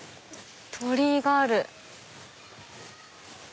鳥居がある。